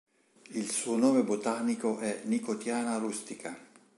Il suo nome botanico è "Nicotiana rustica".